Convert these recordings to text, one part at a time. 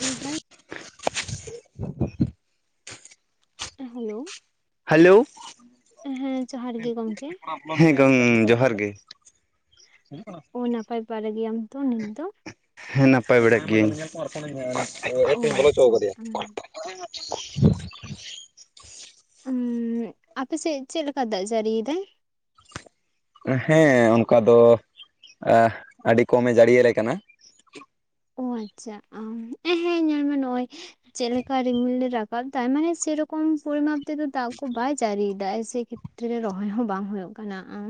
ᱤᱧ ᱵᱟᱹᱧ [inaudible] ᱮ hello! Hello. ᱦᱮᱸ ᱡᱚᱦᱟᱨ ᱜᱮ ᱜᱚᱝᱠᱮ? ᱦᱮᱸ ᱜᱚᱝ ᱡᱚᱦᱟᱨ ᱜᱮ᱾ ᱚ ᱱᱟᱯᱟᱭ ᱵᱟᱨᱟ ᱜᱮᱭᱟᱢ ᱛᱚ ᱱᱤᱛ ᱫᱚ? ᱦᱮᱸ ᱱᱟᱯᱟᱭ ᱵᱟᱲᱟ ᱜᱤᱭᱟᱹᱧ, ᱧᱮᱞ ᱠᱚᱢ ᱟᱨ ᱯᱷᱚᱱ ᱱᱟᱹᱧ ᱚ ᱢᱮ [unintelligible] ᱵᱚᱞᱚ ᱟᱪᱪᱷᱟ ᱚᱪᱚ ᱟᱠᱟᱫᱮᱭᱟ? [unintelligible] ᱩᱸ ᱟᱯᱮᱥᱮᱜ ᱪᱮᱫ ᱞᱮᱠᱟ ᱫᱟᱜ ᱡᱟᱹᱨᱤ ᱭᱮᱫᱟᱭ? ᱦᱮᱸ ᱚᱱᱠᱟ ᱫᱚ ᱟᱸᱦ ᱟᱹᱰᱤ ᱠᱚᱢ ᱮ ᱡᱟᱲᱤᱭᱟᱞᱮ ᱠᱟᱱᱟ᱾ ᱚ ᱟᱪᱪᱷᱟ ᱟᱢ ᱮᱸᱦᱮᱸ ᱧᱮᱞ ᱢᱮ ᱱᱚᱜ-ᱚᱭ ᱪᱮᱫ ᱞᱮᱠᱟ ᱨᱤᱢᱤᱞ ᱮ ᱨᱟ- ᱠᱟᱵ ᱮᱫᱟᱭ ᱢᱟᱱᱮ ᱥᱮᱨᱚᱠᱚᱢ ᱯᱚᱨᱤᱢᱟᱯ ᱛᱮᱫᱚ ᱫᱟᱜ ᱠᱚ ᱵᱟᱭ ᱡᱟᱨᱤ ᱭᱮᱫᱟᱭ ᱥᱮ ᱠᱷᱮᱹᱛ ᱨᱮᱹ ᱨᱚᱦᱚᱭ ᱦᱚᱸ ᱵᱟᱝ ᱦᱩᱭᱩᱜ ᱠᱟᱱᱟ ᱟᱢ᱾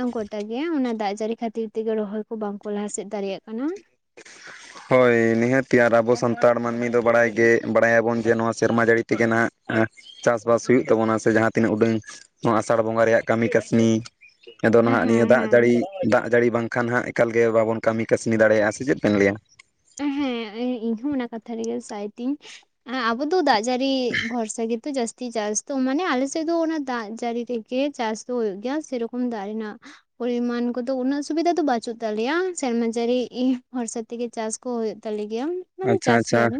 ᱟᱸ ᱜᱚᱴᱟ ᱜᱮ ᱚᱱᱟ ᱫᱟᱜ ᱡᱟᱹᱨᱤ ᱠᱷᱟᱹᱛᱤᱨ ᱛᱮᱜᱮ ᱨᱚᱦᱚᱭ ᱠᱚ ᱵᱟᱝᱠᱚ ᱞᱟᱦᱟᱥᱮᱫ ᱫᱟᱲᱮᱭᱟᱜ ᱠᱟᱱᱟ? ᱦᱳᱭ ᱱᱤᱦᱟᱹᱛᱤ ᱟᱨ ᱟᱵᱚ ᱥᱟᱱᱛᱟᱲ ᱢᱟᱹᱱᱢᱤ ᱫᱚ ᱵᱟᱲᱟᱭ ᱜᱮ ᱵᱟᱲᱟᱭᱟᱵᱚᱱ ᱡᱮ ᱱᱚᱣᱟ ᱥᱮᱨᱢᱟ ᱡᱟᱹᱲᱤ ᱛᱮᱜᱮ ᱱᱷᱟᱸᱜ ᱮᱸ ᱪᱟᱥᱼᱵᱟᱥ ᱦᱩᱭᱩᱜ ᱛᱟᱵᱚᱱᱟ ᱥᱮ ᱡᱟᱦᱟᱸ ᱛᱤᱱᱟᱹᱜ ᱩᱰᱟᱹᱝ ᱱᱚᱣᱟ ᱟᱥᱟᱲ ᱵᱚᱸᱜᱟ ᱨᱮᱭᱟᱜ ᱠᱟᱹᱢᱤ ᱠᱟᱹᱥᱱᱤ ᱮ ᱫᱚ ᱦᱮᱸ ᱱᱷᱟᱜ ᱱᱤᱭᱟᱹ ᱫᱟᱜ ᱡᱟᱹᱲᱤ ᱦᱮᱸ ᱫᱟᱜ ᱡᱟᱹᱲᱤ ᱵᱟᱝᱠᱷᱟᱱ ᱦᱟᱸᱜ ᱮᱠᱟᱞ ᱜᱮ ᱵᱟᱵᱚᱱ ᱠᱟᱹᱢᱤ ᱠᱟᱹᱥᱱᱤ ᱫᱟᱲᱮᱭᱟᱜᱼᱟ ᱥᱮ ᱪᱮᱫ ᱵᱤᱱ ᱞᱟᱭᱼᱟ? ᱦᱮᱸ ᱤᱧ ᱦᱚᱸ ᱚᱱᱟ ᱠᱟᱛᱷᱟ ᱨᱮᱜᱮ ᱥᱟᱭ ᱛᱤᱧ ᱟᱸ ᱟᱵᱚ ᱫᱚ ᱫᱟᱜ ᱡᱟᱲᱤ ᱵᱷᱚᱨᱥᱟ ᱜᱮᱛᱚ ᱡᱟᱥᱛᱤ ᱪᱟᱥ ᱫᱚ ᱢᱟᱱᱮ ᱟᱞᱮᱥᱮᱫ ᱫᱚ ᱚᱱᱟ ᱫᱟᱜ ᱡᱟᱲᱤ ᱨᱮᱜᱮ ᱜᱮ ᱪᱟᱥ ᱫᱚ ᱦᱩᱭᱩᱜ ᱜᱮᱭᱟ, ᱥᱮᱨᱚᱠᱚᱢ ᱫᱟᱜ ᱨᱮᱱᱟᱜ ᱯᱚᱨᱤᱢᱟᱱ ᱠᱚᱫᱚ ᱩᱱᱟᱹᱜ, ᱥᱩᱵᱤᱫᱟ ᱫᱚ ᱵᱟᱪᱩᱜ ᱛᱟᱞᱮᱭᱟ ᱥᱮᱨᱢᱟ ᱡᱟᱲᱤ ᱤᱦ ᱵᱷᱚᱨᱥᱟ ᱛᱮᱜᱮ ᱪᱟᱥ ᱠᱚ ᱦᱩᱭᱩᱜ ᱛᱟᱞᱮ ᱜᱮᱭᱟ᱾ ᱢᱟᱱᱮ ᱟᱪᱪᱷᱟ ᱪᱟᱥ ᱟᱪᱪᱷᱟ ᱾ ᱜᱮᱭᱟᱞᱮ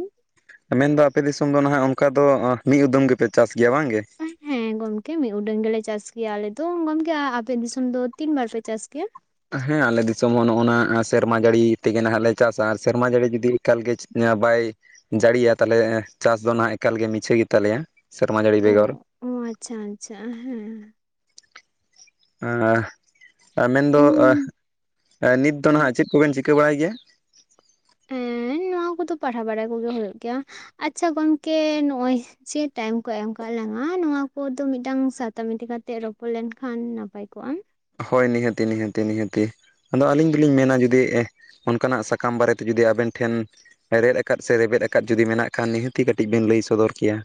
ᱢᱮᱱᱫᱚ ᱟᱯᱮ ᱫᱤᱥᱚᱢ ᱫᱚ ᱱᱟᱦᱟᱜ, ᱚᱜᱠᱟ ᱫᱚ ᱢᱤᱫ ᱩᱫᱟᱹᱢ ᱜᱮᱯᱮ ᱪᱟᱥ ᱜᱮᱭᱟ ᱵᱟᱝ ᱜᱮ᱾ ᱦᱮᱸ ᱜᱚᱢᱠᱮ ᱢᱤ ᱩᱰᱟᱹᱝ ᱜᱮᱞᱮ ᱪᱟᱥ ᱜᱮᱭᱟ ᱟᱞᱮ ᱫᱚ᱾ ᱜᱚᱢᱠᱮ ᱟᱯᱮ ᱫᱤᱥᱚᱢ ᱫᱚ ᱛᱤᱱ ᱵᱟᱨ ᱯᱮ ᱪᱟᱥ ᱜᱮᱭᱟ ᱦᱮᱸ ᱟᱞᱮ ᱫᱤᱥᱚᱢ ᱦᱚᱸ ᱱᱚᱜᱼᱚ ᱱᱟ᱾ ᱥᱮᱨᱢᱟ ᱡᱟᱲᱤ ᱛᱮᱜᱮ ᱱᱟᱦᱟᱜ ᱞᱮ ᱪᱟᱥᱟ ᱟ᱾ ᱥᱮᱨᱢᱟ ᱡᱟᱲᱤ ᱡᱩᱫᱤ ᱮᱠᱟᱞᱜᱮ ᱵᱟᱭ ᱡᱟᱲᱤᱭᱟ ᱛᱟᱦᱚᱞᱮ ᱪᱟᱥ ᱫᱚ ᱱᱷᱟᱜ ᱮᱠᱟᱞᱜᱮ ᱢᱤᱪᱷᱟᱹ ᱜᱮᱛᱟᱞᱮᱭᱟ ᱥᱮᱨᱢᱟ ᱡᱟᱲᱤ ᱵᱮᱜᱚᱨ ᱳ ᱟᱪᱪᱷᱟ ᱟᱪᱪᱷᱟ ᱦᱮᱸ᱾ ᱟᱸ ᱢᱮᱱᱫᱚ ᱩᱸ ᱱᱤᱛ ᱫᱚ ᱩᱸ ᱱᱟᱦᱟᱜ ᱪᱮᱫ ᱠᱚᱵᱮᱱ ᱪᱤᱠᱟᱹ ᱵᱟᱲᱟᱭ ᱜᱮᱭᱟ? ᱮᱸᱸ ᱱᱚᱣᱟ ᱠᱚᱫᱚ ᱯᱟᱲᱦᱟᱣ ᱵᱟᱲᱟ ᱠᱚᱜᱮ ᱦᱩᱭᱩᱜ ᱜᱮᱭᱟ ᱟᱪᱪᱷᱟ ᱜᱚᱢᱠᱮ ᱱᱚᱜᱼᱚᱭ ᱥᱮ ᱴᱟᱭᱤᱢ ᱠᱚ ᱮᱢ ᱠᱟᱜ ᱞᱟᱝᱼᱟ᱾ ᱱᱚᱣᱟ ᱠᱚᱫᱚ ᱢᱤᱫᱴᱟᱝ ᱥᱟᱛᱟᱢ ᱤᱫᱤ ᱠᱟᱛᱮᱫ ᱨᱚᱯᱚᱲ ᱞᱮᱱᱠᱷᱟᱱ ᱱᱟᱯᱟᱭ ᱠᱚᱜᱼᱟ᱾ ᱦᱳᱭ ᱱᱤᱦᱟᱹᱛᱤ ᱱᱤᱦᱟᱹᱛᱤ ᱱᱤᱦᱟᱹᱛᱤ᱾ ᱟᱫᱚ ᱟᱞᱤᱧ ᱫᱚᱞᱤᱧ ᱢᱮᱱᱟ ᱡᱩᱫᱤ ᱚᱱᱠᱟᱱᱟᱜ ᱥᱟᱠᱟᱢ ᱵᱟᱨᱮ ᱛᱮ ᱡᱩᱫᱤ ᱟᱵᱮᱱ ᱴᱷᱮᱱ ᱦᱮᱲᱷᱮᱛᱫ ᱟᱠᱟᱫ ᱥᱮ ᱨᱮᱵᱮᱫ ᱟᱠᱟᱫ ᱡᱩᱫᱤ ᱢᱮᱱᱟᱜ ᱠᱷᱟᱱ ᱱᱤᱦᱟᱹᱛᱤ ᱠᱟᱹᱴᱤᱡ ᱵᱮᱱ ᱞᱟᱹᱭ ᱥᱚᱫᱚᱨ ᱠᱮᱭᱟ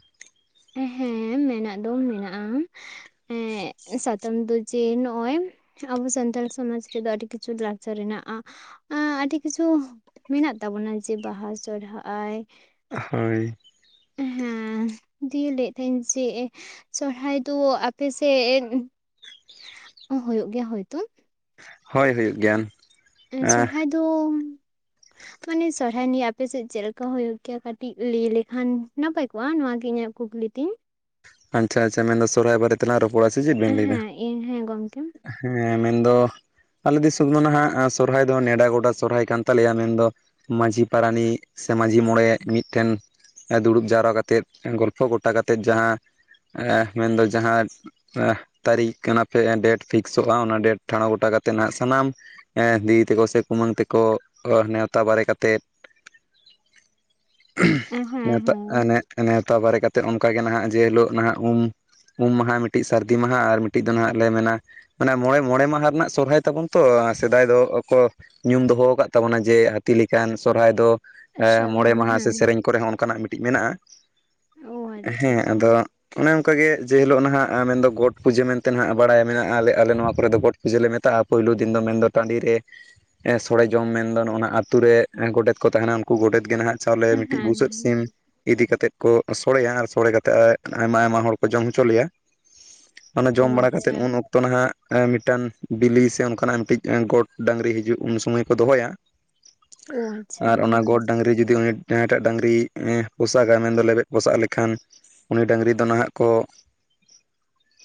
ᱦᱮᱸ ᱢᱮᱱᱟᱜ ᱫᱚ ᱢᱮᱱᱟᱜᱼᱟ ᱮᱸ ᱥᱟᱛᱟᱢ ᱫᱚ ᱡᱮ ᱱᱚᱜᱼᱚᱭ ᱾ᱟᱵᱚ ᱥᱟᱱᱛᱟᱞ ᱥᱚᱢᱟᱡᱽ ᱨᱮᱫᱚ ᱟᱰᱤ ᱠᱤᱪᱷᱩ ᱞᱟᱠᱪᱟᱨ ᱦᱮᱱᱟᱜᱼᱟ᱾ ᱮ ᱟᱰᱤ ᱠᱤᱪᱷᱩ ᱢᱮᱱᱟᱜ ᱛᱟᱵᱚᱱᱟ ᱡᱮ ᱵᱟᱦᱟ ᱥᱚᱨᱦᱟᱭ ᱦᱳᱭ ᱦᱮᱸ ᱫᱤᱭᱮ ᱞᱮᱫᱮᱫ ᱛᱟᱦᱮᱸᱱ ᱡᱮ ᱥᱚᱨᱦᱟᱭ ᱫᱚ ᱟᱯᱮ ᱥᱮᱫ ᱚ ᱦᱩᱭᱩᱜᱳ ᱜᱮᱭᱟ ᱦᱳᱭᱛᱳ ᱦᱚᱭ ᱦᱩᱭᱩᱜ ᱜᱮᱭᱟᱱ ᱮᱸᱸ ᱥᱚᱨᱦᱟᱭ ᱫᱚ ᱢᱟᱱᱮ ᱥᱚᱨᱦᱟᱭ ᱱᱤᱭᱮ ᱟᱯᱮᱥᱮᱫ ᱪᱮᱫᱞᱮᱠᱟ ᱦᱳᱭᱳᱜ ᱠᱮᱭᱟ ᱠᱟᱹᱴᱤᱡ ᱞᱟᱹᱭ ᱞᱮᱠᱷᱟᱱ ᱱᱟᱯᱟᱭ ᱠᱚᱜᱼᱟ᱾ ᱱᱚᱣᱟᱜᱤ ᱤᱧᱟᱹᱜ ᱠᱩᱠᱞᱤ ᱛᱤᱧ᱾ ᱟᱪᱪᱷᱟ ᱟᱪᱪᱷᱟ ᱢᱮᱱᱫᱟ ᱥᱚᱨᱚᱦᱟᱭ ᱵᱟᱨᱮ ᱛᱮᱱᱟᱜ ᱨᱚᱯᱚᱲᱟ ᱥᱮ ᱪᱮᱫ ᱵᱮᱱ ᱞᱟᱹᱭᱫᱟ? ᱦᱮᱸ ᱤᱧ ᱦᱮᱸ ᱜᱚᱢᱠᱮ ᱦᱮᱸ ᱢᱮᱱᱫᱚ᱾ ᱟᱞᱮ ᱫᱤᱥᱚᱢ ᱫᱚ ᱱᱟᱦᱟᱜᱜ ᱥᱚᱨᱦᱟᱭ ᱫᱚ ᱱᱮᱰᱟ ᱜᱚᱰᱟ ᱥᱚᱨᱦᱟᱭ ᱠᱟᱱ ᱛᱟᱞᱮᱭᱟ ᱢᱮᱱᱫᱚ ᱢᱟᱺᱡᱷᱤ ᱯᱟᱨᱟᱱᱤᱠ ᱥᱮ ᱢᱟᱺᱡᱷᱤ ᱢᱚᱬᱮ ᱢᱤᱴᱮᱱ ᱫᱩᱲᱩᱵ ᱡᱟᱣᱨᱟ ᱠᱟᱛᱮᱫ ᱜᱚᱞᱯᱷᱚ ᱜᱚᱴᱟ ᱠᱟᱛᱮᱫ ᱡᱟᱦᱟᱸ ᱮᱸᱢᱮᱱ ᱫᱚ ᱡᱟᱦᱟᱸ ᱛᱟᱹᱨᱤᱠᱷ ᱠᱟᱱᱟᱯᱤ ᱰᱮᱴ ᱯᱷᱤᱠᱥᱚᱜᱼᱟ᱾ ᱚᱱᱟ ᱰᱮᱴ ᱴᱷᱟᱲ ᱜᱚᱴᱟ ᱠᱟᱛᱮᱜ ᱱᱟᱜ ᱥᱟᱱᱟᱢ ᱮᱸ ᱫᱤ ᱛᱮᱠᱚ ᱥᱮ ᱠᱩᱢᱟᱹᱝ ᱛᱮᱠᱚ ᱱᱮᱣᱛᱟ ᱵᱟᱨᱮ ᱠᱟᱛᱮᱫ [inaudible] ᱦᱮᱸ ᱱᱮᱶᱛᱟ ᱦᱮᱸ ᱱᱮᱶᱛᱟ ᱵᱟᱨᱮ ᱠᱟᱛᱮ ᱚᱱᱠᱟ ᱜᱮ ᱱᱟᱦᱟᱜ ᱡᱮ ᱦᱤᱞᱳᱜ ᱱᱟᱦᱟᱜ ᱩᱢ ᱩᱢ ᱢᱟᱦᱟ, ᱢᱤᱴᱤᱡ ᱥᱟᱹᱨᱫᱤ ᱢᱟᱦᱟ ᱟᱨ ᱢᱤᱫ ᱴᱤᱡ ᱫᱚ, ᱱᱟᱦᱟᱜ ᱞᱮ ᱢᱮᱱᱟ? ᱢᱟᱱᱮ ᱢᱚᱬᱮ ᱢᱚᱬᱮ ᱢᱟᱦᱟ ᱨᱮᱱᱟᱜ ᱥᱚᱨᱦᱟᱭ ᱛᱟᱵᱚᱱ ᱛᱚ ᱥᱮᱫᱟᱭ ᱫᱚ ᱠᱚ᱾ ᱧᱩᱢ ᱫᱚᱦᱚ ᱠᱟᱫ ᱛᱟᱵᱚᱱᱟ ᱡᱮ ᱦᱟᱹᱛᱤ ᱞᱮᱠᱟᱱ ᱥᱚᱨᱦᱟᱭ ᱫᱚ᱾ ᱢᱚᱬᱮ ᱥᱚᱨᱦᱟᱭ ᱢᱟᱦᱟ ᱥᱮ ᱦᱮᱸ ᱥᱮᱨᱮᱧ ᱠᱚᱨᱮ ᱦᱚᱸ ᱚᱱᱠᱟᱱᱟᱜ ᱢᱤᱴᱤᱡ ᱢᱮᱱᱟᱜᱼᱟ᱾ ᱚ ᱟᱪᱪᱷᱟ ᱦᱮᱸ ᱟᱫᱚ ᱚᱱᱮ ᱚᱱᱠᱟᱜᱮ ᱡᱮ ᱦᱤᱞᱳᱜ ᱱᱟᱦᱟᱸᱜ ᱢᱮᱱᱫᱚ ᱜᱚᱴ ᱯᱩᱡᱟᱹ ᱢᱮᱱᱛᱮ ᱱᱟᱜᱸ ᱵᱟᱲᱟᱭ ᱢᱮᱱᱟᱜᱼᱟ᱾ ᱟᱞᱮ ᱟᱞᱮ ᱱᱚᱣᱟ ᱠᱚᱨᱮ ᱫᱚ ᱜᱚᱴ ᱡᱮᱞ ᱞᱮ ᱢᱮᱛᱟᱜᱼᱟ ᱯᱳᱭᱞᱳ ᱫᱤᱱ ᱫᱚ ᱢᱮᱱᱫᱚ ᱴᱟᱺᱰᱤ ᱨᱮ ᱥᱚᱲᱮ ᱡᱚᱢ ᱢᱮᱱᱫᱚ ᱱᱚᱜ ᱟᱛᱳ ᱨᱮ ᱜᱚᱰᱮᱛ ᱠᱚ ᱛᱟᱦᱮᱱᱟ ᱩᱱᱠᱩ ᱜᱚᱰᱮᱛ ᱜᱮ ᱱᱟᱦᱟᱜ ᱪᱟᱣᱞᱮ ᱢᱤᱫᱴᱤᱡ ᱦᱮᱸ ᱵᱩᱥᱟᱹᱜ ᱥᱤᱢ ᱤᱫᱤ ᱠᱟᱛᱮᱜ ᱠᱚ ᱥᱚᱲᱮᱭᱟ᱾ ᱟᱨ ᱥᱚᱲᱮ ᱠᱟᱛᱮ ᱛᱟ ᱟᱭᱢᱟ ᱟᱭᱢᱟ ᱦᱚᱲ ᱠᱚ ᱡᱚᱢ ᱦᱚᱪᱚ ᱞᱮᱭᱟ ᱚᱱᱟ ᱚ ᱡᱚᱢ ᱵᱟᱲᱟ ᱟᱪᱪᱷᱟ ᱠᱟᱛᱮᱫ ᱩᱱ ᱚᱠ ᱛᱚ ᱱᱟᱦᱟᱜ ᱢᱤᱫᱴᱟᱝ ᱵᱤᱞᱤ ᱥᱮ ᱚᱱᱠᱟᱱᱟᱜ ᱢᱤᱫᱴᱤᱡ ᱜᱚᱴ ᱰᱟᱹᱝᱨᱤ ᱦᱤᱡᱩᱜ ᱩᱱ ᱥᱚᱢᱚᱭ ᱠᱚ ᱫᱚᱦᱚᱭᱟ᱾ [inaudible] ᱟᱪᱪᱷᱟ ᱟᱨ ᱚᱱᱟ ᱜᱚᱰ ᱰᱟᱹᱝᱨᱤ ᱡᱩᱫᱤ ᱩᱱᱤ ᱡᱟᱦᱟᱸᱭᱴᱟᱜ ᱰᱟᱝᱨᱤ ᱯᱚᱥᱟᱜᱟ ᱢᱮᱱ ᱫᱚ ᱞᱮᱵᱮᱜ ᱯᱚᱥᱟᱜ ᱞᱮᱠᱷᱟᱱ᱾ ᱩᱱᱤ ᱰᱟᱹᱝᱨᱤ ᱫᱚ ᱱᱟᱦᱟᱜ ᱠᱚ,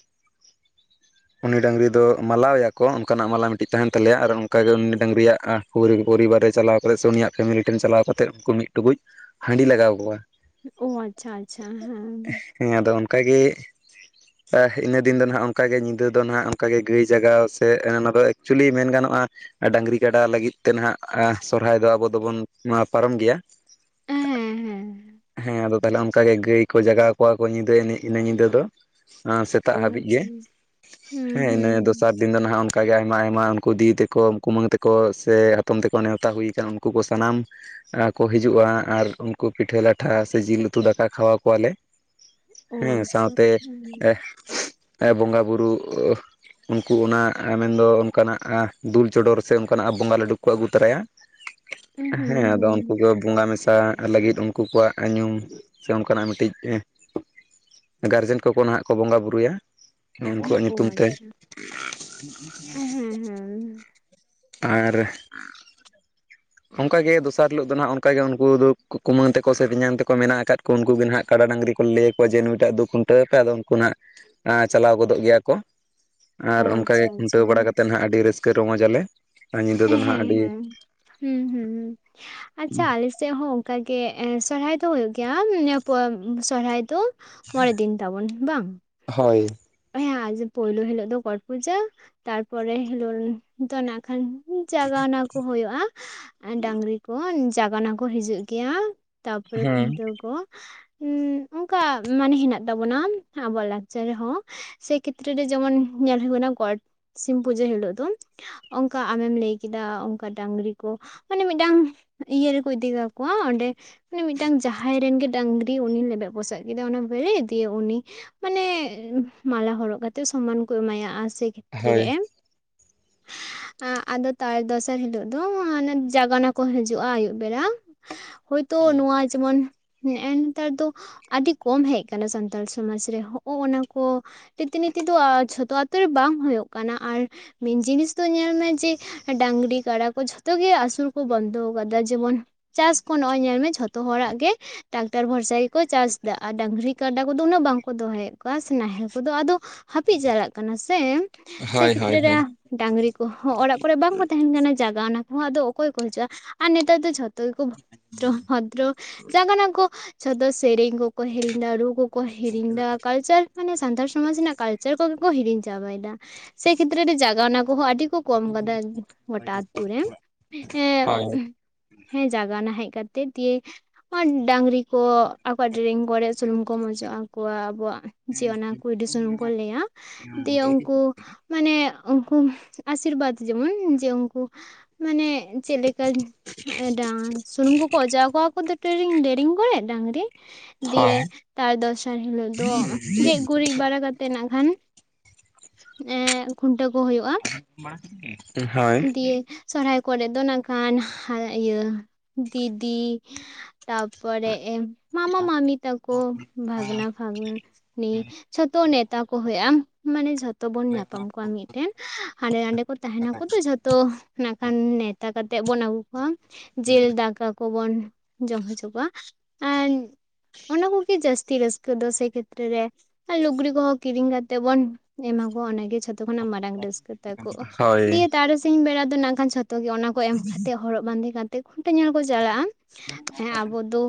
[inaudible] ᱩᱱᱤ ᱰᱟᱹᱝᱨ ᱫᱚ ᱢᱟᱞᱟᱣᱭᱟ ᱠᱚ ᱚᱱᱠᱟᱱᱟᱜ ᱢᱟᱞᱟ ᱢᱤᱫᱴᱤᱡ ᱛᱟᱦᱮᱱ ᱛᱟᱞᱮᱭᱟ ᱟᱨ ᱚᱱᱠᱟᱜᱮ ᱩᱱᱤ ᱰᱟᱹᱝᱨᱤᱭᱟᱜ᱾ ᱯᱩᱨᱤ ᱯᱚᱨᱤᱵᱟᱨ ᱨᱮ ᱪᱟᱞᱟᱣ ᱠᱟᱛᱮᱫ ᱥᱮ ᱩᱱᱤᱭᱟᱜ ᱯᱷᱮᱢᱮᱞᱤ ᱴᱮᱱ ᱪᱟᱞᱟᱣ ᱠᱟᱛᱮ ᱩᱱᱠᱩ ᱢᱤᱫ ᱴᱩᱠᱩᱡ ᱦᱟᱺᱰᱤ ᱞᱟᱜᱟᱣ ᱠᱚᱣᱟ ᱳᱻᱟᱪᱪᱷᱟ ᱟᱪᱪᱷᱟ ᱦᱮᱸ᱾ ᱦᱮᱸ ᱟᱫᱚ ᱚᱱᱠᱟᱜᱮ, ᱮ ᱤᱱᱟᱹ ᱫᱤᱱ ᱫᱚ ᱦᱟᱜ ᱚᱱᱠᱟᱜᱮ ᱧᱤᱫᱟᱹ ᱫᱚ ᱦᱟᱜ ᱚᱱᱠᱟᱜᱮ ᱜᱟᱹᱭ ᱡᱟᱜᱟᱣ ᱥᱮ ᱚᱱᱟ ᱫᱚ ᱮᱠᱪᱩᱭᱮᱞᱤ ᱢᱮᱱ ᱜᱟᱱᱚᱜᱼᱟ, ᱰᱟᱹᱝᱨᱤ ᱠᱟᱰᱟ ᱞᱟᱹᱜᱤᱫ ᱛᱮ ᱱᱟᱦᱟᱜ ᱥᱚᱨᱚᱦᱟᱭ ᱫᱚ ᱟᱵᱚ ᱫᱚᱵᱚᱱ ᱯᱟᱨᱚᱢ ᱜᱮᱭᱟ᱾ ᱦᱮᱸ ᱦᱮᱸ ᱦᱮᱸ ᱟᱫᱚ ᱛᱟᱦᱚᱞᱮ ᱚᱱᱠᱟ ᱜᱮ᱾ ᱜᱟᱹᱭ ᱠᱚ ᱡᱟᱜᱟᱣ ᱠᱚᱣᱟ ᱠᱚ ᱧᱤᱫᱟᱹ ᱦᱮᱡ ᱱᱟ ᱧᱤᱫᱟᱹ ᱫᱚ᱾ ᱥᱮᱛᱟᱜ ᱚ ᱦᱟᱹᱵᱤᱡ ᱜᱮ᱾ ᱟᱪᱪᱷᱟ ᱦᱩᱸ ᱦᱮᱸ ᱤᱱᱟᱹ ᱦᱩᱸ ᱫᱚᱥᱟᱨ ᱫᱤᱱ ᱫᱚ ᱱᱟᱦᱟᱜ ᱚᱱᱠᱟᱜ ᱜᱮ ᱟᱭᱢᱟ ᱟᱭᱢᱟ ᱩᱱᱠᱩ ᱫᱤᱫᱤ ᱛᱮᱠᱚᱠᱩᱢᱟᱹᱝ ᱛᱮᱠᱚ ᱥᱮ ᱦᱟᱛᱚᱢ ᱛᱮᱠᱚ ᱱᱮᱣᱛᱟ ᱦᱩᱭᱠᱟᱱ᱾ ᱩᱱᱠᱩ ᱠᱚ ᱥᱟᱱᱟᱢ ᱠᱚ ᱦᱤᱡᱩᱜᱼᱟ ᱟᱨ ᱩᱱᱠᱩ ᱯᱤᱴᱷᱟᱹ ᱞᱟᱴᱷᱟ ᱥᱮ ᱡᱤᱞ ᱩᱛᱩ ᱫᱟᱠᱟ ᱠᱷᱟᱣᱟ ᱠᱚᱣᱟᱞᱮ᱾ ᱚ ᱦᱮᱸ ᱟᱪᱪᱷᱟ ᱥᱟᱶᱛᱮ ᱦᱩᱸ ᱵᱚᱸᱜᱟ ᱵᱩᱨᱩ, ᱩᱱᱠᱩ ᱚᱱᱟ ᱢᱮᱱᱫᱚ ᱚᱱᱠᱟᱱᱟᱜ ᱫᱩᱞ ᱪᱚᱰᱚᱨ ᱥᱮ ᱚᱱᱠᱟᱱᱟᱜ ᱵᱚᱸᱜᱟ ᱞᱟᱹᱰᱩ ᱠᱚ ᱟᱹᱜᱩ ᱛᱚᱨᱟᱭᱟ᱾ [inaudible] ᱦᱮᱸ ᱦᱩᱸ ᱟᱫᱚ ᱩᱱᱠᱩ ᱠᱚ ᱦᱩᱸ ᱵᱚᱸᱜᱟ ᱢᱮᱥᱟ ᱞᱟᱹᱜᱤᱫ ᱩᱱᱠᱩ ᱠᱚᱣᱟᱜᱢ ᱧᱩᱸᱢ, ᱥᱮ ᱚᱱᱠᱟᱱᱟᱜ ᱠᱟᱹᱴᱤᱡ, ᱜᱟᱨᱡᱮᱱ ᱠᱚᱠᱚ ᱱᱟᱦᱟᱜ ᱠᱚ ᱵᱚᱸᱜᱟ ᱵᱩᱨᱩᱭᱟ᱾ ᱩᱱᱠᱩᱣᱟᱜ ᱚ ᱧᱩᱛᱩᱢ ᱛᱮ᱾ ᱟᱪᱪᱷᱟ ᱦᱮᱸ ᱦᱮᱸ ᱟᱨ ᱚᱱᱠᱟᱜᱮ ᱫᱚᱥᱟᱨ ᱦᱤᱞᱳᱜ ᱫᱚ ᱱᱟᱦᱟᱜ ᱚᱱᱠᱟᱜᱮ ᱩᱱᱠᱩ ᱫᱚ ᱠᱩᱢᱟᱹᱝ ᱛᱮᱠᱚ ᱥᱮ ᱯᱮᱧᱟᱝ ᱛᱮᱠᱚ ᱢᱮᱱᱟᱜ ᱟᱠᱟᱫ ᱠᱚ ᱩᱱᱠᱩ ᱜᱮ ᱱᱟᱦᱜ᱾ ᱠᱟᱰᱟ ᱰᱟᱝᱨᱤ ᱠᱚᱞᱮ ᱞᱟᱹᱭᱭᱟ ᱠᱚᱣᱟ ᱡᱮ ᱱᱩᱭᱴᱟᱜ ᱫᱚ ᱠᱷᱩᱱᱴᱟᱹᱣ ᱯᱮ ᱟᱫᱚ ᱩᱱᱠᱩ ᱦᱟᱸᱜ ᱪᱟᱞᱟᱣ ᱜᱚᱫᱚᱜ ᱜᱮᱭᱟ ᱠᱚ᱾ ᱟᱨ ᱚ ᱚᱱᱠᱟᱜᱮ ᱟᱪᱪᱷᱟ ᱟᱪᱪᱷᱟ ᱠᱷᱩᱱᱴᱟᱹᱣ ᱵᱟᱲᱟ ᱠᱟᱛᱮᱫ ᱦᱟᱸᱜ ᱟᱹᱰᱤ ᱨᱟᱹᱥᱠᱟᱹ ᱨᱚᱢᱚᱡ ᱟᱞᱮ᱾ ᱟᱨ ᱧᱤᱫᱟᱹ ᱫᱚ ᱦᱮᱸ ᱱᱟᱦᱟᱜ ᱦᱮᱸ ᱟᱹᱰᱤ ᱦᱩᱸ ᱦᱩᱸ ᱦᱩᱸ ᱟᱪᱪᱷᱟ ᱟᱞᱮᱥ -ᱥᱮᱫ ᱦᱚᱸ ᱚᱱᱠᱟ ᱜᱮ ᱥᱚᱨᱦᱟᱭ ᱫᱚ ᱦᱩᱭᱩᱜ ᱜᱮᱭᱟ ᱱᱤᱭᱟᱹ ᱯᱚᱨ ᱥᱚᱨᱦᱟᱭ ᱫᱚ᱾ ᱢᱚᱬᱮ ᱫᱤᱱ ᱛᱟᱵᱚᱱ᱾ ᱵᱟᱝ? ᱦᱳᱭ ᱦᱮᱸ ᱟᱫᱚ ᱯᱳᱭᱞᱳ ᱦᱤᱞᱳᱜ ᱫᱚ ᱜᱚᱴ ᱯᱩᱡᱟᱹ ᱛᱟᱨᱯᱚᱨᱮ ᱦᱤᱞᱳᱜ ᱫᱚ ᱱᱟᱜ ᱠᱷᱟᱱ᱾ ᱡᱟᱜᱟᱣᱱᱟ ᱠᱚ ᱦᱩᱭᱩᱜᱳᱭᱳᱼᱟ ᱰᱟᱹᱝᱨᱤ ᱠᱚ ᱡᱟᱜᱟᱣᱱᱟ ᱠᱚ ᱦᱤᱡᱩᱜ ᱜᱮᱭᱟ᱾ ᱛᱟᱨᱯᱚᱨᱮ ᱠᱷᱚᱱᱴᱟᱹᱣ ᱠᱚ᱾ ᱚᱱᱠᱟ ᱢᱟᱱᱮ ᱦᱮᱱᱟᱜ ᱛᱟᱵᱚᱱᱟ ᱟᱵᱚᱣᱟᱜ ᱞᱟᱠᱪᱟᱨ ᱨᱮᱦᱚᱸ᱾ ᱥᱮ ᱠᱷᱮᱛᱨᱮ ᱨᱮ ᱡᱮᱢᱚᱱ ᱧᱮᱞ ᱦᱩᱭᱩᱜ ᱠᱟᱱᱟ ᱜᱚᱴ ᱥᱤᱢ ᱯᱩᱡᱟᱹ ᱦᱤᱞᱳᱜ ᱫᱚ᱾ ᱚᱱᱠᱟ ᱟᱢᱮᱢ ᱞᱟᱹᱭ ᱠᱮᱫᱟ ᱚᱱᱠᱟ ᱰᱟᱝᱨᱤ ᱠᱚ᱾ ᱢᱟᱱᱮ ᱢᱤᱫᱴᱟᱝ ᱤᱭᱟᱹ ᱨᱮᱠᱚ ᱤᱫᱤ ᱠᱟᱠᱚᱣᱟ ᱚᱸᱰᱮ ᱢᱟᱱᱮ ᱢᱤᱫᱴᱟᱝ ᱡᱟᱦᱟᱸᱭ ᱨᱮᱱ ᱜᱮ ᱰᱟᱝᱨᱤ ᱩᱱᱤ ᱞᱮᱵᱮᱫ ᱯᱚᱥᱟᱜ ᱠᱮᱫᱟ, ᱚᱱᱟ ᱵᱮᱨᱮᱫ ᱤᱫᱤᱭᱟ ᱩᱱᱤ᱾ ᱢᱟᱱᱮ ᱢᱟᱞᱟ ᱦᱚᱨᱚᱜ ᱠᱟᱛᱮᱫ ᱥᱚᱢᱟᱱ ᱠᱚ ᱮᱢᱟᱭᱟ ᱥᱮ ᱠᱷᱮᱛᱨᱮ ᱦᱳᱭ ᱮᱢ᱾ [inaudible] ᱟᱫᱚ ᱛᱟᱨ ᱫᱚᱥᱟᱨ ᱦᱤᱞᱳᱜ ᱫᱚ ᱚᱱᱮ ᱡᱟᱜᱟᱱᱟ ᱠᱚ ᱦᱤᱡᱩᱜᱼᱟ ᱟᱹᱭᱩᱵ ᱵᱮᱲᱟ᱾ ᱦᱳᱭᱛᱚ ᱱᱚᱣᱟ ᱡᱮᱢᱚᱱ ᱱᱮᱜ ᱱᱮᱛᱟᱨ ᱫᱚ ᱟᱹᱰᱤ ᱠᱚᱢ ᱦᱮᱡ ᱟᱠᱟᱱᱟ ᱥᱟᱱᱛᱟᱲ ᱥᱚᱢᱟᱡᱽ ᱨᱮ ᱦᱚᱜ ᱚᱱᱟ ᱠᱚ ᱨᱤᱛ ᱱᱤᱛᱤ ᱫᱚ ᱡᱷᱚᱛᱚ ᱟᱛᱳ ᱨᱮ ᱵᱟᱝ ᱦᱩᱭᱩᱜ ᱠᱟᱱᱟ ᱟᱨ ᱢᱮᱱ ᱡᱤᱱᱤᱥ ᱫᱚ ᱧᱮᱞ ᱢᱮ ᱡᱮ ᱰᱟᱝᱨᱤ ᱠᱟᱰᱟ ᱠᱚ ᱡᱷᱚᱛᱚ ᱜᱮ ᱟᱹᱥᱩᱞ ᱠᱚ ᱵᱚᱱᱫᱚ ᱟᱠᱟᱫᱟ ᱡᱮᱢᱚᱱ ᱪᱟᱥ ᱠᱚ ᱱᱚᱜ-ᱚᱭ ᱧᱮᱞ ᱢᱮᱮ ᱡᱷᱚᱛᱚ ᱦᱚᱲᱟᱜ ᱜᱮ ᱴᱨᱟᱠᱴᱟᱨ ᱵᱷᱚᱨᱥᱟᱭ ᱠᱚ ᱪᱟᱥ ᱮᱫᱟ ᱟᱨ ᱰᱟᱝᱨᱤ ᱠᱟᱰᱟ ᱠᱚᱫᱚ ᱩᱱᱟᱹᱜ ᱵᱟᱝᱠᱚ ᱫᱚᱦᱚᱭᱮᱫ ᱠᱚᱣᱟ ᱱᱟᱦᱮᱞ ᱠᱚᱫᱚ ᱟᱫᱚ ᱦᱟᱹᱯᱤᱫ ᱪᱟᱞᱟᱜ ᱠᱟᱱᱟ ᱥᱮ ᱥᱮᱭ ᱦᱳᱭ ᱠᱷᱮᱛᱨᱟᱹ ᱨᱮ ᱦᱳᱭ ᱰᱟᱝᱨᱤ ᱠᱚᱦᱚᱸ ᱚᱲᱟᱜ ᱠᱚᱨᱮ ᱵᱟᱝ ᱠᱚ ᱛᱟᱦᱮᱱ ᱠᱟᱱᱟ ᱡᱟᱭᱜᱟ ᱚᱱᱟ ᱠᱚᱦᱚᱸ ᱟᱫᱚ ᱚᱠᱚᱭ ᱠᱚ ᱦᱤᱡᱩᱜ-ᱟ ᱟᱨ ᱱᱮᱛᱟᱨ ᱫᱚ ᱡᱷᱚᱛᱚ ᱠᱚ ᱵᱷᱚᱫᱨᱚ ᱵᱷᱚᱫᱨᱚ ᱡᱟᱸᱜᱟ ᱱᱟᱠᱚ ᱪᱷᱚᱫ ᱥᱮᱨᱮᱧ ᱠᱚ ᱠᱚ ᱦᱮᱨᱮᱧ ᱫᱟ ᱨᱩᱜᱩᱜ ᱠᱚ ᱦᱤᱨᱮᱧᱫᱟ ᱠᱟᱞᱪᱟᱨ ᱢᱟᱱᱮ ᱥᱟᱱᱛᱟᱲ ᱥᱚᱢᱟᱡᱽ ᱨᱮᱱᱟᱜ ᱠᱟᱞᱪᱟᱨ ᱠᱚᱜᱮ ᱠᱚ ᱦᱤᱲᱤᱧ ᱪᱟᱵᱟᱭᱮᱫᱟ ᱥᱮ ᱠᱷᱮᱛᱨᱮ ᱨᱮ ᱡᱟᱜᱟᱣᱱᱟ ᱠᱚᱦᱚᱸ ᱟᱹᱰᱤ ᱠᱚ ᱠᱚᱢ ᱠᱟᱫᱟ ᱜᱚᱴᱟ ᱟᱛᱩ ᱨᱮ ᱦᱳᱭ ᱦᱮᱸ ᱡᱟᱭᱟᱜᱟᱱᱟ ᱦᱮᱡ ᱠᱟᱛᱮᱜ ᱫᱤᱭᱮ ᱰᱟᱝᱨᱤ ᱠᱚ ᱰᱮᱨᱮᱝ ᱠᱚᱨᱮ ᱥᱩᱱᱩᱢ ᱠᱚᱢ ᱚᱡᱚᱜ ᱟᱠᱚᱣᱟ ᱟᱵᱚᱣᱟᱜ ᱡᱮ ᱚᱱᱟ ᱠᱚᱭᱰᱤ ᱥᱩᱱᱩᱢ ᱠᱚ ᱞᱟᱹᱭᱟ᱾ ᱫᱤᱭᱮ ᱩᱱᱠᱩ ᱢᱟᱱᱮ ᱩᱱᱠᱩ ᱟᱥᱤᱨᱵᱟᱫᱽ ᱡᱮᱢᱚᱱ ᱡᱮ ᱩᱱᱠᱩ ᱢᱟᱱᱮ ᱪᱮᱫ ᱞᱮᱠᱟ ᱰᱟᱝ ᱥᱩᱱᱩᱢ ᱠᱚᱠᱚ ᱚᱡᱚᱜ ᱟᱠᱚᱣᱟ ᱠᱚ ᱰᱮᱨᱤᱝ ᱠᱚᱨᱮ ᱰᱟᱝᱨᱤ ᱫᱤᱭᱮ ᱛᱟᱨ ᱫᱚᱥᱟᱨ ᱦᱤᱞᱳᱜ ᱫᱚ ᱜᱮᱫ ᱠᱟᱛᱮ ᱱᱟᱜ ᱠᱷᱟᱱ ᱮᱜ ᱠᱷᱩᱱᱴᱟᱹᱣ ᱠᱚ ᱦᱩᱭᱩᱜ-ᱟ᱾ [unintelligible] ᱫᱤᱭᱮ ᱥᱚᱨᱦᱟᱭ ᱠᱚᱨᱮ ᱫᱚ ᱱᱟᱜᱠᱷᱟᱱ ᱤᱭᱟᱹ ᱫᱤᱫᱤ ᱛᱟᱯᱚᱨᱮ ᱢᱟᱢᱟ ᱢᱟᱢᱤ ᱛᱟᱠᱚ ᱵᱷᱟᱜᱱᱟ ᱡᱷᱚᱛᱚ ᱱᱮᱛᱟ ᱠᱚ ᱦᱩᱭᱩᱜ-ᱟ ᱢᱟᱱᱮ ᱡᱷᱚᱛᱚ ᱡᱚᱛᱚ ᱵᱚᱱ ᱧᱟᱯᱟᱢ ᱠᱚᱣᱟ ᱢᱤᱫᱴᱮᱱ ᱦᱟᱸᱰᱮ ᱱᱟᱰᱮ ᱠᱚ ᱛᱟᱦᱮᱱᱟᱠᱚ ᱛᱚ ᱡᱷᱚᱛᱚ ᱱᱟᱜᱠᱷᱟᱱ ᱱᱮᱣᱛᱟ ᱠᱟᱛᱮᱜ ᱵᱚᱱ ᱟᱹᱜᱩ ᱠᱚᱣᱟ᱾ ᱡᱤᱞ ᱫᱟᱠᱟ ᱠᱚᱵᱚᱱ ᱡᱚᱢ ᱦᱚᱪᱚ ᱠᱚᱣᱟ ᱟᱨ ᱚᱱᱟ ᱠᱚᱜᱮ ᱡᱟᱹᱥᱛᱤ ᱨᱟᱹᱥᱠᱟᱹ ᱫᱚ ᱥᱮ ᱠᱷᱮᱛᱨᱮ ᱨᱮ᱾ ᱟᱨ ᱞᱩᱜᱽᱲᱤ ᱠᱚᱦᱚᱸ ᱠᱤᱨᱤᱧ ᱠᱟᱛᱮᱜ ᱵᱚᱱ ᱮᱢᱟ ᱠᱚᱣᱟ ᱚᱱᱟᱜᱮ ᱡᱷᱚᱛᱚ ᱠᱷᱚᱱᱟᱜ ᱢᱟᱨᱟᱝ ᱨᱟᱹᱥᱠᱟᱹ ᱛᱟᱠᱚ᱾ ᱦᱳᱭ ᱫᱤᱭᱮ ᱛᱟᱨᱟᱥᱤᱧ ᱵᱮᱲᱟ ᱫᱚ ᱱᱟᱜ ᱠᱷᱟᱱ ᱡᱷᱚᱛᱚ ᱜᱮ ᱚᱱᱟ ᱠᱚ ᱮᱢ ᱠᱟᱛᱮᱫ ᱦᱚᱨᱚᱜ ᱵᱟᱸᱫᱮ ᱠᱟᱛᱮᱫ ᱠᱷᱩᱱᱴᱟᱹ ᱧᱮᱞ ᱠᱚ ᱪᱟᱞᱟᱜ-ᱟ᱾ ᱦᱮᱸ ᱟᱵᱚ ᱫᱚ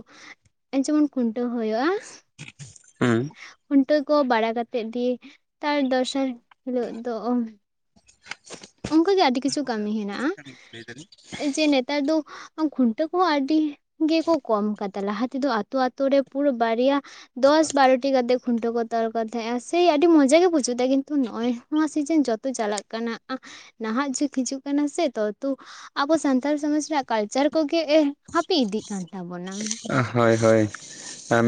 ᱡᱮᱢᱚᱱ ᱠᱷᱩᱱᱴᱟᱹᱣ ᱦᱩᱭᱩᱜ-ᱟ᱾ ᱦᱮᱸ᱾ ᱠᱷᱩᱱᱴᱟᱹᱣ ᱠᱚ ᱵᱟᱲᱟ ᱠᱟᱛᱮ ᱜᱮ ᱛᱟᱨ ᱫᱚᱥᱟᱨ ᱦᱤᱞᱳᱜ ᱫᱚ ᱚᱱᱠᱟᱜᱮ ᱟᱹᱰᱤ ᱠᱤᱪᱷᱩ ᱠᱟᱹᱢᱤ ᱦᱮᱱᱟᱜ-ᱟ ᱡᱮ ᱱᱮᱛᱟᱨ ᱫᱚ ᱠᱷᱩᱱᱴᱟᱹᱣ ᱠᱚᱦᱚᱸ ᱟᱹᱰᱤ ᱜᱮᱠᱚ ᱠᱚᱢ ᱟᱠᱟᱫᱟ ᱞᱟᱦᱟ ᱛᱮᱫᱚ ᱟᱛᱳ ᱟᱛᱳ ᱨᱮ ᱯᱩᱨᱟᱹ ᱵᱟᱨᱭᱟ ᱫᱚᱥ ᱵᱟᱨᱚ ᱴᱤ ᱜᱟᱫᱮ ᱠᱚ ᱠᱷᱩᱱᱴᱟᱹᱣ ᱠᱚ ᱛᱚᱞ ᱠᱚ ᱛᱟᱦᱮᱸᱜᱼᱟ ᱥᱮ ᱟᱹᱰᱤ ᱢᱚᱡᱟ ᱜᱮ ᱵᱩᱡᱩᱜ ᱛᱟᱦᱮᱸᱜ-ᱟ ᱠᱤᱱᱛᱩ ᱱᱚᱜ-ᱚᱭ ᱱᱚᱣᱟ ᱥᱤᱡᱤᱱ ᱡᱚᱛᱚ ᱪᱟᱞᱟᱜ ᱠᱟᱱᱟ ᱱᱟᱦᱟᱜ ᱡᱩᱜᱽ ᱦᱤᱡᱩᱜ ᱠᱟᱱᱟ ᱥᱮ ᱛᱩ ᱟᱵᱚ ᱥᱟᱱᱛᱟᱲ ᱥᱚᱢᱟᱡᱽ ᱨᱮᱭᱟᱜ ᱠᱟᱞᱪᱟᱨ ᱠᱚᱜᱮ ᱮᱜ ᱦᱟᱹᱯᱤᱫ ᱤᱫᱤᱜ ᱠᱟᱱ ᱛᱟᱵᱚᱱᱟ᱾ ᱦᱳᱭ ᱦᱳᱭ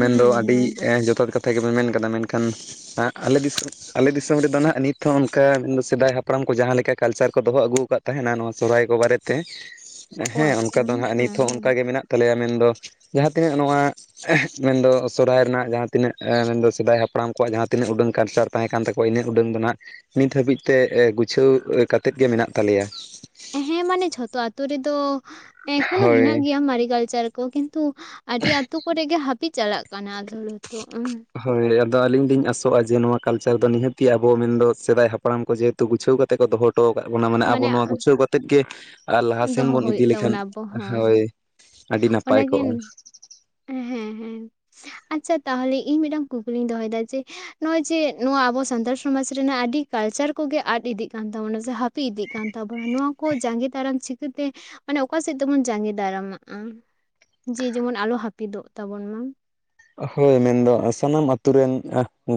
ᱢᱮᱱᱫᱚ ᱟᱹᱰᱤ ᱦᱮᱸ ᱡᱚᱛᱷᱟᱛ ᱠᱟᱛᱷᱟ ᱜᱮᱵᱚᱱ ᱢᱮᱱ ᱠᱟᱫᱟ ᱢᱮᱱᱠᱷᱟᱱ ᱮᱜ ᱟᱞᱮ ᱫᱤᱥᱚᱢ ᱟᱞᱮ ᱫᱤᱥᱚᱢ ᱨᱮᱫᱚ ᱱᱟᱦᱟᱜ ᱱᱤᱛ ᱦᱚᱸ ᱚᱱᱠᱟ ᱥᱮᱫᱟᱭ ᱦᱟᱯᱲᱟᱢ ᱠᱚ ᱡᱟᱦᱟᱸ ᱞᱮᱠᱟ ᱠᱟᱞᱪᱟᱨ ᱠᱚ ᱫᱚᱦᱚ ᱟᱹᱜᱩ ᱟᱠᱟᱫ ᱛᱟᱦᱮᱱᱟ ᱱᱚᱣᱟ ᱥᱚᱦᱦᱟᱭ ᱠᱚ ᱵᱟᱨᱮᱛᱮ, [inaudible] ᱦᱮᱸ ᱟᱪᱪᱷᱟ ᱚᱱᱠᱟ ᱫᱚ ᱱᱟᱦᱟᱜ ᱦᱮᱸ ᱱᱤᱛᱦᱚᱸ ᱦᱮᱸ ᱚᱱᱠᱟᱜᱮ ᱢᱮᱱᱟᱜ ᱛᱟᱞᱮᱭᱟ ᱢᱮᱱᱫᱚ ᱡᱟᱦᱟᱸ ᱛᱤᱱᱟᱹᱜ ᱱᱚᱣᱟ ᱢᱮᱱᱫᱚ ᱥᱚᱨᱦᱟᱭ ᱨᱮᱱᱟᱜ ᱡᱟᱦᱟᱸ ᱛᱤᱱᱟᱹᱜ ᱢᱮᱱᱫᱚ ᱥᱮᱫᱟᱭ ᱦᱟᱯᱲᱟᱢ ᱠᱚᱣᱟᱜ ᱡᱟᱦᱟᱸ ᱛᱤᱱᱟᱹᱜ ᱩᱰᱟᱹᱝ ᱠᱟᱞᱪᱟᱨ, ᱛᱟᱦᱮᱸ ᱠᱟᱱ ᱛᱟᱠᱚᱣᱟ ᱤᱱᱟᱹᱜ ᱩᱰᱟᱹᱝ ᱫᱚ ᱦᱟᱸᱜ ᱱᱤᱛ ᱦᱟᱹᱵᱤᱡ ᱛᱮ ᱜᱩᱪᱷᱟᱹᱣ ᱠᱟᱛᱮᱫ ᱜᱮ ᱢᱮᱱᱟᱜ ᱛᱟᱞᱮᱭᱟ᱾ ᱦᱮᱸ ᱢᱟᱱᱮ ᱡᱷᱚᱛᱚ ᱟᱛᱳ ᱨᱮᱫᱚ ᱮᱠᱷᱳᱱᱳ ᱦᱮᱱᱟᱜ ᱦᱳᱭ ᱜᱮᱭᱟ ᱢᱟᱨᱮ ᱠᱟᱞᱪᱟᱨ ᱠᱚ ᱠᱤᱱᱛᱩ ᱛᱚ ᱟᱹᱰᱤ ᱟᱛᱳ ᱠᱚᱨᱮ ᱜᱮ ᱦᱟᱹᱯᱤᱫ ᱪᱟᱞᱟᱜ ᱠᱟᱱᱟ ᱟᱫᱲᱚᱛᱚ ᱦᱤᱛᱚᱜ᱾ ᱦᱳᱭ ᱟᱫᱚ ᱟᱹᱞᱤᱧ ᱞᱤᱧ ᱟᱥᱚᱜᱼᱟ ᱡᱮ ᱱᱚᱣᱟ ᱠᱟᱞᱪᱟᱨ ᱫᱚ ᱱᱤᱦᱟᱹᱛ ᱜᱮ ᱟᱵᱚ ᱢᱮᱱᱫᱚ ᱫᱚ ᱥᱮᱫᱟᱭ ᱦᱟᱯᱲᱟᱢ ᱠᱚ ᱡᱮᱦᱮᱛᱩ ᱜᱩᱪᱷᱟᱹᱣ ᱠᱟᱛᱮ ᱠᱚ ᱫᱚᱦᱚ ᱦᱚ... ᱦᱚᱴᱚ ᱠᱟᱫ ᱵᱚᱱᱟ ᱢᱟᱱᱮ ᱟᱵᱚ ᱱᱚᱣᱟ ᱜᱩᱪᱷᱟᱹᱣ ᱠᱟᱛᱮᱜ ᱜᱮ ᱟᱨ ᱞᱟᱦᱟ ᱥᱮᱱ ᱫᱚᱦᱚ ᱵᱚᱱ ᱤᱫᱤ ᱦᱩᱭᱩᱜ ᱞᱮᱠᱷᱟᱱ ᱛᱟᱵᱚᱱᱟ ᱟᱵᱚ ᱦᱳᱭ, ᱦᱚᱸ ᱟᱹᱰᱤ ᱱᱟᱯᱟᱭ ᱚᱱᱟᱜᱮ ᱠᱚᱜᱼᱟ᱾ ᱦᱮᱸ ᱦᱮᱸ ᱟᱪᱪᱷᱟ ᱛᱟᱦᱚᱞᱮ ᱤᱧ ᱢᱤᱫᱴᱟᱝ ᱠᱩᱠᱞᱤᱧ ᱫᱚᱦᱚᱭᱮᱫᱟ ᱡᱮ? ᱱᱚᱜᱼᱚᱭ ᱡᱮ ᱱᱚᱣᱟ ᱟᱵᱚ ᱥᱟᱱᱛᱟᱲ ᱥᱚᱢᱟᱡᱽ ᱨᱮᱱᱟᱜ ᱟᱹᱰᱤ ᱠᱟᱞᱪᱟᱨ ᱠᱚᱜᱮ ᱟᱫ ᱤᱫᱤᱜ ᱠᱟᱱ ᱛᱟᱵᱚᱱᱟ ᱡᱟᱦᱟ ᱯᱤ ᱤᱫᱤᱜ ᱠᱟᱱ ᱛᱟᱵᱚᱱᱟ ᱱᱚᱣᱟ ᱠᱚ ᱡᱟᱸᱜᱮ ᱫᱟᱨᱟᱢ ᱪᱤᱠᱟᱹᱛᱮ? ᱢᱟᱱᱮ ᱚᱠᱟ ᱥᱮᱫ ᱛᱮᱵᱚᱱ ᱡᱟᱸᱜᱮ ᱫᱟᱨᱟᱢᱟᱜᱼᱟ ᱡᱮ ᱡᱮᱢᱚᱱ ᱟᱞᱚ ᱦᱟᱹᱯᱤᱫᱚᱜ ᱛᱟᱵᱚᱱ ᱢᱟ᱾ ᱦᱳᱭ ᱢᱮᱱᱫᱚ ᱥᱟᱱᱟᱢ ᱟᱛᱳ ᱨᱮᱱ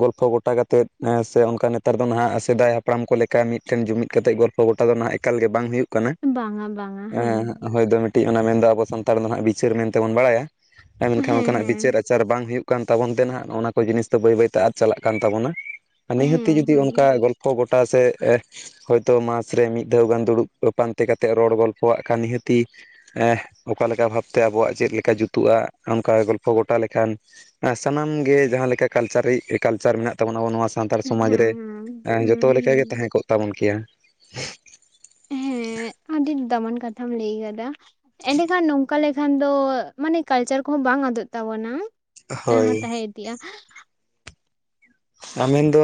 ᱜᱚᱞᱯᱷᱚ ᱜᱚᱴᱟ ᱠᱟᱛᱮᱫ ᱥᱮ ᱚᱱᱠᱟ ᱱᱮᱛᱟᱨ ᱫᱚ ᱱᱟᱦᱟᱜ ᱥᱮᱫᱟᱭ ᱦᱟᱯ ᱦᱟᱯᱲᱟᱢ ᱠᱚ ᱞᱮᱠᱟ ᱢᱤᱫᱴᱮᱱ ᱡᱩᱢᱤᱫ ᱠᱟᱛᱮ ᱜᱚᱞᱯᱚ ᱜᱚᱴᱟ ᱫᱚ ᱱᱟᱦᱟᱜ ᱮᱠᱟᱞ ᱜᱮ ᱵᱟᱝ ᱦᱩᱭᱩᱜ ᱠᱟᱱᱟ ᱵᱟᱝᱟ ᱵᱟᱝᱟ ᱮᱸ ᱦᱮᱸ ᱦᱳᱭ ᱫᱚ ᱢᱤᱫᱴᱤᱡ ᱚᱱᱟ ᱢᱮᱱᱫᱚ ᱟᱵᱚ ᱥᱟᱱᱛᱟᱲ ᱫᱚ ᱦᱟᱸᱜ ᱵᱤᱪᱟᱹᱨ ᱢᱮᱱᱛᱮᱵᱚᱱ ᱵᱟᱲᱟᱭᱟ ᱟᱨ ᱢᱮᱱᱠᱷᱟᱱ ᱦᱮᱸ ᱚᱱᱠᱟᱱᱟᱜ ᱵᱤᱪᱟᱹᱨ ᱟᱪᱟ ᱦᱮᱸ ᱵᱤᱪᱟᱹᱨ ᱵᱟᱝ ᱦᱩᱭᱩᱜ ᱠᱟᱱ ᱛᱟᱵᱚᱱ ᱛᱮ ᱱᱟᱜ ᱚᱱᱟ ᱠᱚ ᱡᱤᱱᱤᱥ ᱫᱚ ᱵᱟᱹᱭ ᱵᱟᱹᱭᱛᱮ ᱟᱫᱽ ᱪᱟᱞᱟᱜ ᱠᱟᱱ ᱛᱟᱵᱚᱱᱟ᱾ ᱟᱨ ᱱᱤᱦᱟᱹᱛᱤ ᱦᱮᱸ ᱡᱩᱫᱤ ᱦᱮᱸ ᱚᱱᱠᱟ ᱜᱚᱞᱯᱷᱚ ᱜᱚᱴᱟ ᱥᱮ? ᱦᱚᱳᱭᱛᱳ ᱢᱟᱥ ᱨᱮ ᱢᱤᱫ ᱫᱷᱟᱣ ᱜᱟᱱ ᱫᱩᱲᱩᱵ ᱯᱟᱱᱛᱮ ᱠᱟᱛᱮᱫ ᱨᱚᱲ ᱜᱚᱞᱯᱚᱣᱟᱜ ᱠᱟᱱ ᱱᱤᱦᱟᱹᱛᱤ, ᱚᱠᱟᱞᱮᱠᱟ ᱵᱷᱟᱵᱛᱮ ᱟᱵᱚᱣᱟᱜ ᱪᱮᱫ ᱞᱮᱠᱟ ᱡᱩᱛᱩᱜᱼᱟ ᱚᱱᱠᱟ ᱜᱚᱞᱯᱚ ᱜᱚᱴᱟ ᱞᱮᱠᱷᱟᱱ ᱥᱟᱱᱟᱢ ᱜᱮ ᱡᱟᱦᱟᱸ ᱞᱮᱠᱟ ᱠᱟᱞᱪᱟᱨᱤᱜ ᱠᱟᱞᱪᱟᱨ ᱢᱮᱱᱟᱜ ᱛᱟᱵᱚᱱᱟ ᱟᱵᱚ ᱱᱚᱣᱟ ᱥᱟᱱᱛᱟᱲ ᱦᱮᱸ ᱥᱚᱢᱟᱡᱽ ᱨᱮ ᱦᱮᱸ ᱦᱮᱸ ᱡᱚᱛᱚ ᱦᱮᱸ ᱞᱮᱠᱟᱜᱮ ᱛᱟᱦᱮᱸ ᱠᱚᱜ ᱛᱟᱵᱚᱱ ᱠᱮᱭᱟ᱾ ᱦᱮᱸ ᱟᱹᱰᱤ ᱫᱟᱢᱟᱱ ᱠᱟᱛᱷᱟᱢ ᱞᱟᱹᱭ ᱠᱟᱫᱟ ᱮᱸᱰᱮᱠᱷᱟᱱ ᱱᱚᱝᱠᱟ ᱞᱮ ᱠᱷᱟᱱ ᱫᱚ ᱢᱟᱱᱮ ᱠᱟᱞᱪᱟᱨ ᱠᱚᱦᱚᱸ ᱵᱟᱝ ᱟᱫᱚᱜ ᱛᱟᱵᱚᱱᱟ ᱮ ᱦᱳᱭ ᱛᱟᱦᱮᱸ ᱤᱫᱤᱜᱼᱟ᱾ [unintelligible] ᱟ ᱢᱮᱱᱮᱱᱫᱚ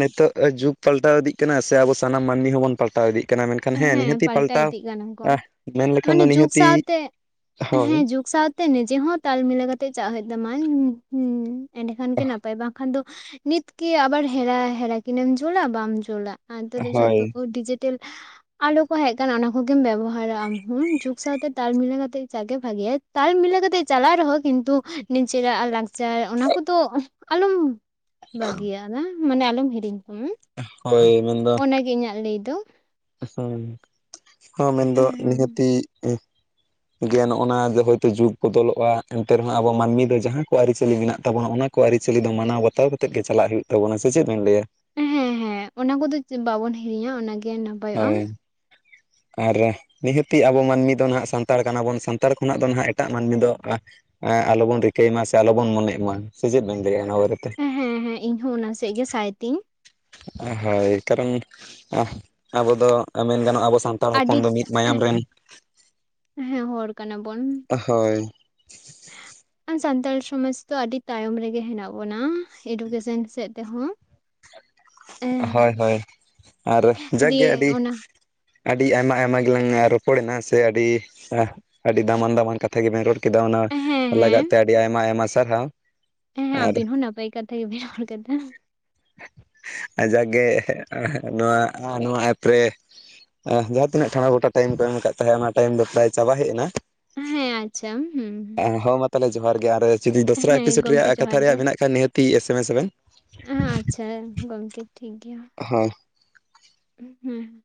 ᱱᱤᱛᱚᱜ ᱡᱩᱜᱽ, ᱯᱟᱞᱴᱟᱣ ᱤᱫᱤᱜ ᱠᱟᱱᱟ ᱥᱮ ᱟᱵᱚ ᱥᱟᱱᱟᱢ ᱢᱟᱹᱱᱢᱤ ᱦᱚᱸᱵᱚᱱ ᱯᱟᱞᱴᱟᱣ ᱤᱫᱤᱜ ᱢᱮᱱᱠᱷᱟᱱ ᱦᱮᱸ ᱱᱤᱦᱟᱹᱛᱤ ᱯᱟᱞᱴᱟᱣ ᱢᱮᱱ ᱞᱮᱠᱷᱟᱱ ᱢᱟᱱᱮ ᱫᱚ ᱡᱩᱜᱽ ᱱᱤᱦᱟᱹᱛᱤ, ᱥᱟᱶᱛᱮ ᱦᱳᱭ ᱦᱮᱸ ᱡᱩᱜᱽ ᱥᱟᱸᱶ ᱛᱮ ᱱᱤᱡᱮ ᱦᱚᱸ ᱛᱟᱞ ᱢᱤᱞᱟᱹᱣ ᱠᱟᱛᱮᱜ ᱪᱟᱣ ᱦᱩᱭᱩᱜ ᱛᱟᱢᱟ ᱦᱩᱸ ᱮᱸᱰᱮᱠᱷᱟᱱ ᱜᱮ ᱱᱟᱯᱟᱭ ᱵᱟᱝᱠᱷᱟᱱ ᱫᱚ ᱱᱤᱛ ᱠᱮ ᱟᱵᱟᱨ ᱦᱮᱨᱟ ᱦᱮᱨᱟ ᱠᱤᱱᱮᱢ ᱡᱩᱞᱟ ᱵᱟᱢ ᱡᱩᱞᱟ ᱟᱛᱮ ᱦᱳᱭ ᱡᱷᱚᱛᱚ ᱰᱤᱡᱮ [unintelligible] ᱟᱞᱚ ᱠᱚ ᱦᱮᱡ ᱟᱠᱟᱱᱟ ᱚᱱᱟ ᱠᱚᱜᱮᱢ ᱵᱮᱵᱚᱦᱟᱨᱟ ᱟᱢᱦᱚᱸ ᱡᱩᱜᱽ ᱥᱟᱸᱶᱛᱮ ᱛᱟᱞ ᱢᱤᱞᱟᱹ ᱠᱟᱛᱮᱜ ᱡᱟᱜ ᱜᱮ ᱵᱷᱟᱜᱮᱭᱟ᱾ ᱛᱟᱞ ᱢᱤᱞᱟᱹ ᱠᱟᱛᱮᱜ ᱪᱟᱞᱟᱜ ᱨᱮᱦᱚᱸ ᱠᱤᱱᱛᱩ ᱱᱤᱡᱮᱨᱟᱜ ᱞᱟᱠᱪᱟᱨ ᱚᱱᱟ ᱠᱚᱫᱚ ᱟᱞᱚᱢ ᱵᱷᱟᱹᱜᱤᱭᱟᱜᱼᱟ ᱢᱟᱱᱮ ᱟᱞᱚᱢ ᱦᱤᱲᱤᱧ ᱛᱟᱢᱟ ᱦᱳᱭ ᱢᱮᱱᱫᱚ ᱚᱱᱟᱜᱮ ᱤᱧᱟᱹᱜ ᱞᱟᱹᱭ ᱫᱚ᱾ ᱦᱮᱸ, ᱦᱚᱸ ᱢᱮᱱᱫᱚ ᱦᱮᱸ ᱱᱤᱦᱟᱹᱛᱤ [unintelligible] ᱜᱮ ᱱᱚᱜᱼᱚ ᱡᱮ ᱦᱳᱭᱛᱳ ᱡᱩᱜᱽ ᱵᱚᱫᱚᱞᱚᱜᱼᱟ ᱮᱱᱛᱮ ᱨᱮᱦᱚᱸ ᱟᱵᱚ ᱢᱟᱹᱱᱢᱤ ᱫᱚ ᱡᱟᱦᱟᱸ ᱠᱚ ᱟᱹᱨᱤᱪᱟᱹᱞᱤ ᱢᱮᱱᱟᱜ ᱛᱟᱵᱚᱱᱟ ᱚᱱᱟ ᱠᱚ, ᱠᱚ ᱟᱹᱨᱤᱪᱟᱹᱞᱤ ᱫᱚ ᱢᱟᱱᱟᱣ ᱵᱟᱛᱟᱣ ᱠᱟᱛᱮᱫ ᱜᱮ ᱪᱟᱞᱟᱜ ᱦᱩᱭᱩᱜ ᱛᱟᱵᱚᱱᱟ ᱥᱮ ᱪᱮᱫ ᱵᱮᱱ ᱞᱟᱹᱭᱟ? ᱦᱮᱸ ᱦᱮᱸ ᱚᱱᱟ ᱠᱚᱫᱚ ᱵᱟᱵᱚᱱ ᱦᱤᱲᱤᱧᱟ ᱚᱱᱟᱜᱮ ᱱᱟᱯᱟᱭᱚᱜᱼᱟ ᱦᱳᱭ, ᱟᱨ ᱱᱤᱦᱟᱹᱛᱤ ᱟᱵᱚ ᱢᱟᱹᱱᱢᱤ ᱫᱚ ᱱᱟᱦᱟᱜ ᱥᱟᱱᱛᱟᱲ ᱠᱟᱱᱟ ᱵᱚᱱ ᱥᱟᱱᱛᱟᱲ ᱠᱷᱚᱱᱟᱜ ᱫᱚ ᱱᱟᱦᱟᱜ ᱮᱴᱟᱜ ᱢᱟᱹᱱᱢᱤ ᱫᱚ, ᱟᱞᱚᱵᱚᱱ ᱨᱤᱠᱟᱹᱭ ᱢᱟ ᱥᱮ ᱟᱞᱚᱵᱚᱱ ᱢᱚᱱᱮᱜ ᱢᱟ ᱥᱮ ᱪᱮᱫ ᱵᱮᱱ ᱞᱟᱹᱭᱟ ᱚᱱᱟ ᱵᱟᱨᱮᱛᱮ? ᱦᱮᱸ ᱦᱮᱸ ᱤᱧ ᱦᱚᱸ ᱚᱱᱟ ᱥᱮᱫ ᱜᱮ ᱥᱟᱭ ᱛᱤᱧ᱾ ᱦᱳᱭ ᱠᱟᱨᱚᱱ ᱟᱵᱚ ᱫᱚ ᱢᱮᱱ ᱜᱟᱱᱚᱜᱼᱟ ᱟᱵᱚ ᱥᱟᱱ ᱟᱹᱰᱤ [inaudible] ᱦᱮᱸ ᱦᱚᱲ ᱠᱟᱱᱟ ᱵᱚᱱ᱾ ᱦᱳᱭ ᱥᱟᱱᱛᱟᱲ ᱥᱚᱢᱟᱡᱽ ᱫᱚ ᱟᱹᱰᱤ ᱛᱟᱭᱚᱢ ᱨᱮᱜᱮ ᱦᱮᱱᱟᱜ ᱵᱚᱱᱟ᱾ ᱮᱰᱩᱠᱮᱥᱮᱱ ᱥᱮᱫ ᱛᱮᱦᱚᱸ, ᱦᱳᱭ ᱦᱳᱭ ᱟᱨ ᱡᱟᱜ ᱜᱮ ᱫᱤᱭᱮ ᱟᱹᱰᱤ ᱚᱱᱟ ᱟᱹᱰᱤ ᱟᱭᱢᱟ ᱟᱭᱢᱟ ᱜᱮᱞᱟᱝ ᱨᱚᱯᱚᱲᱮᱱᱟ ᱥᱮ ᱟᱹᱰᱤ, ᱟᱹᱰᱤ ᱫᱟᱢᱟᱱ ᱫᱟᱢᱟᱱ ᱠᱟᱛᱷᱟ ᱜᱮᱵᱮᱱ ᱨᱚᱲ ᱠᱮ ᱠᱮᱫᱟ ᱚᱱᱟ ᱦᱮᱸ ᱞᱟᱜᱟᱫ ᱦᱮᱸ ᱛᱮ ᱟᱹᱰᱤ ᱟᱭᱢᱟ ᱟᱭᱢᱟ ᱥᱟᱨᱦᱟᱣ᱾ ᱦᱮᱸ ᱟᱨ ᱟᱵᱤᱱ ᱦᱚᱸ ᱱᱟᱯᱟᱭ ᱠᱟᱛᱷᱟ ᱜᱮᱵᱤᱱ ᱨᱚᱲ ᱠᱮᱫᱟ᱾ ᱡᱟᱠ ᱜᱮ ᱱᱚᱣᱟ, ᱱᱚᱣᱟ ᱮᱯ ᱨᱮ ᱡᱟᱦᱟᱸ ᱛᱤᱱᱟᱹᱜ [unintelligible] ᱜᱚᱴᱟ ᱴᱟᱭᱤᱢ ᱠᱚ ᱮᱢ ᱠᱟ ᱛᱟᱦᱮᱸᱫ ᱚᱱᱟ ᱴᱟᱭᱤᱢ ᱫᱚ ᱯᱨᱟᱭ ᱪᱟᱵᱟ ᱦᱮᱡ ᱮᱱᱟ᱾ ᱦᱮᱸ ᱟᱪᱪᱷᱟ ᱦᱩᱸ ᱦᱩᱸ ᱦᱚᱸ ᱢᱟ ᱛᱟᱦᱚᱞᱮ ᱡᱚᱦᱟᱨ ᱜᱮ ᱟᱨ ᱡᱩᱫᱤ ᱫᱚᱥᱨᱟ ᱦᱮᱸ ᱮᱯᱤᱥᱳᱰ ᱜᱚᱢᱠᱮ ᱨᱮᱭᱟᱜ ᱡᱚᱦᱟᱨ ᱠᱟᱛᱷᱟ ᱜᱮ ᱨᱮᱭᱟᱜ ᱢᱮᱱᱟᱜ ᱠᱷᱟᱱ ᱱᱤᱦᱟᱹᱛᱤ ᱮᱥᱮ ᱢᱮᱥ ᱟᱵᱮᱱ᱾ ᱦᱮᱸ ᱟᱪᱪᱷᱟ ᱜᱚᱝᱠᱮ ᱴᱷᱤᱠ ᱜᱮᱭᱟ᱾ ᱦᱳᱭ ᱦᱩᱸ